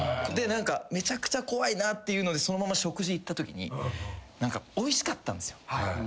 で何かめちゃくちゃ怖いなっていうのでそのまま食事行ったときにおいしかったんですよ。